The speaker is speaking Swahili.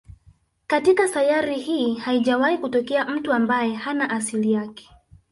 Katika sayari hii haijawahi kutokea mtu ambaye hana asili yake